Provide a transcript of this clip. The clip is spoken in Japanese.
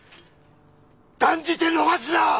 断じて逃すな！